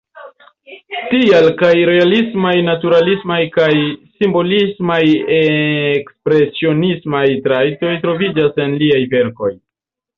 Tial kaj realismaj-naturalismaj kaj simbolismaj-ekspresionismaj trajtoj troviĝas en liaj verkoj.